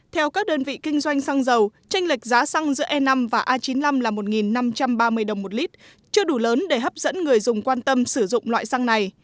theo các đơn vị kinh doanh xăng dầu tranh lệch giá xăng giữa e năm và a chín mươi năm là một năm trăm ba mươi đồng một lít chưa đủ lớn để hấp dẫn người dùng quan tâm sử dụng loại xăng này